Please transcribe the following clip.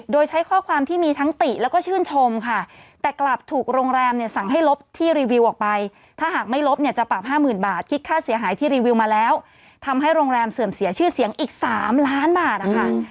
โดยใช้ข้อความที่มีทั้งติแล้วก็ชื่นชมค่ะ